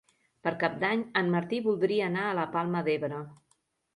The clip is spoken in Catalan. Per Cap d'Any en Martí voldria anar a la Palma d'Ebre.